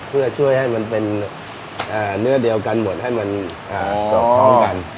เพื่อช่วยให้มันเป็นเนื้อเดียวกันหมดให้มันสอดคล้องกัน